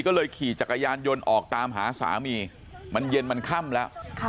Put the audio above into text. ก็เลยขี่จักรยานยนต์ออกตามหาสามีมันเย็นมันค่ำแล้ว